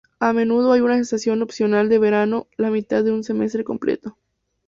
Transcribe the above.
A menudo hay una sesión opcional de verano la mitad de un semestre completo.